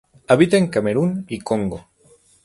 Habita en Camerún y Congo.